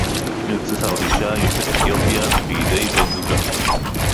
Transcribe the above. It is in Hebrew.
נרצחה עוד אשה יוצאת אתיופיה בידי בן-זוגה